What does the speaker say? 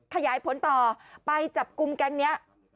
ขยายผลต่อไปจับกลุ่มแก๊งนี้